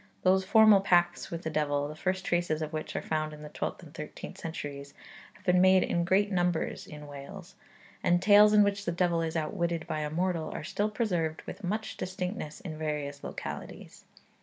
Those formal pacts with the devil, the first traces of which are found in the twelfth and thirteenth centuries, have been made in great numbers in Wales; and tales in which the devil is outwitted by a mortal are still preserved with much distinctness in various localities.